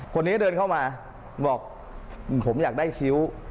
คนนี้เดินเข้ามาบอกผมอยากได้คิ้ว